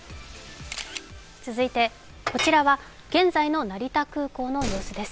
続いてこちらは現在の成田空港の様子です。